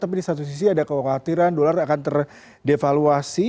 tapi di satu sisi ada kekhawatiran dolar akan terdevaluasi